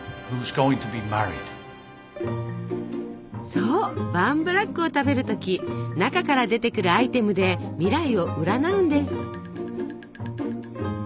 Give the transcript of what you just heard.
そうバーンブラックを食べる時中から出てくるアイテムで未来を占うんです。